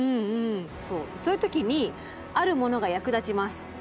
そういう時にあるものが役立ちます。